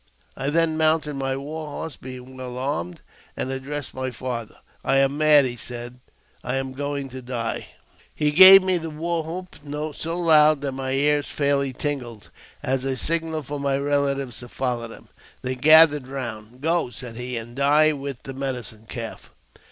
" I then mounted my war horse, being well armed, and addressed my father: " I am mad," I said ; "I am going to die." He gave the war hoop so loud that my ears fairly tingled, as a signal for my relatives to follow me. They gathered round. " Go," said he, " and die with the Medicine Calf."